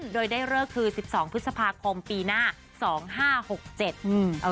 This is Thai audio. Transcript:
โดยได้เลิกคือ๑๒พฤษภาคมปีหน้า๒๕๖๗